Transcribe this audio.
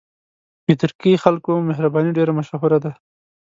د ترکي خلکو مهرباني ډېره مشهوره ده.